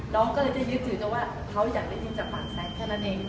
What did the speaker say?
น้องก็เลยจะยึดถือแต่ว่าเขาอยากได้ยินจากปากแซงแค่นั้นเอง